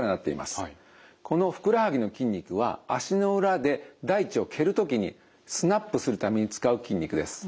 このふくらはぎの筋肉は足の裏で大地を蹴る時にスナップするために使う筋肉です。